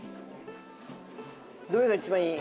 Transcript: どれが一番いい？